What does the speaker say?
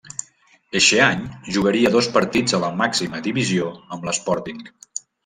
Eixe any jugaria dos partits a la màxima divisió amb l'Sporting.